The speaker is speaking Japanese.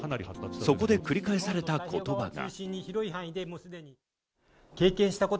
そこで繰り返された言葉が。